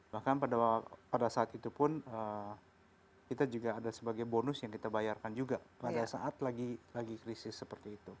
bahkan pada saat itu pun kita juga ada sebagai bonus yang kita bayarkan juga pada saat lagi krisis seperti itu